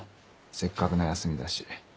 せっかくの休みだし。